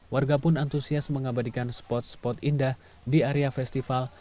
warga pun antusias mengabadikan spot spot indah di area festival